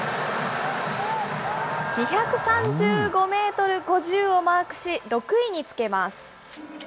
２３５メートル５０をマークし、６位につけます。